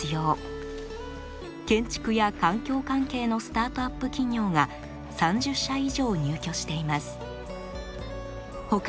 建築や環境関係のスタートアップ企業が３０社以上入居しています。